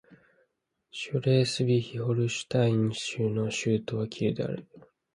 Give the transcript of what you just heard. シュレースヴィヒ＝ホルシュタイン州の州都はキールである